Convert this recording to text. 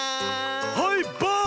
はいバーン！